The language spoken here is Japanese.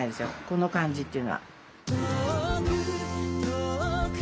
この感じっていうのは。